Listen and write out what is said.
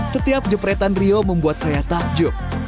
setiap jepretan rio membuat saya takjub